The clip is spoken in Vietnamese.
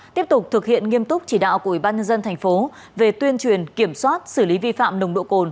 tiếp tục thực hiện nghiêm túc chỉ đạo của ubnd tp về tuyên truyền kiểm soát xử lý vi phạm nồng độ cồn